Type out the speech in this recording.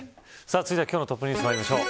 続いては今日のトップニュースにまいりましょう。